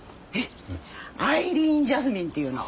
アイリーンジャスミンっていうの。